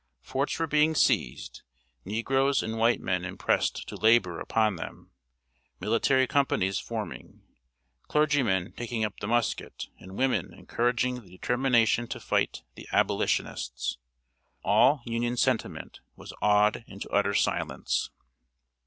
Forts were being seized, negroes and white men impressed to labor upon them, military companies forming, clergymen taking up the musket, and women encouraging the determination to fight the "Abolitionists." All Union sentiment was awed into utter silence.